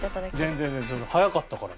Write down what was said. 全然全然早かったから。